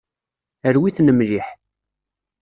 Rwi-ten mliḥ.